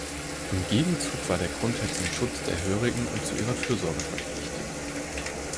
Im Gegenzug war der Grundherr zum Schutz der Hörigen und zu ihrer Fürsorge verpflichtet.